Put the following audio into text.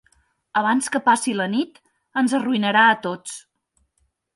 Abans que passi la nit ens arruïnarà a tots!